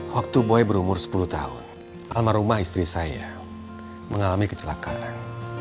waktu boy berumur sepuluh tahun almarhumah istri saya mengalami kecelakaan